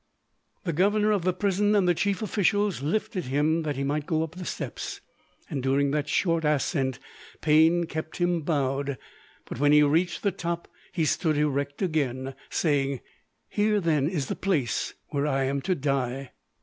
The governor of the prison and the chief officials lifted him that he might go up the steps. During that short ascent pain kept him bowed, but when he had reached the top he stood erect again, saying, "Here then is the place where I am to die!"